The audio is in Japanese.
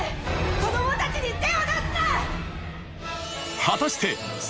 子供たちに手を出すな！